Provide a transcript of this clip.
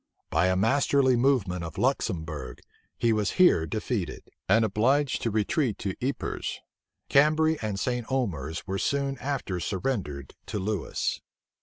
By a masterly movement of Luxembourg, he was here defeated, and obliged to retreat to Ypres. Cambray and St. Omers were soon after surrendered to Lewis.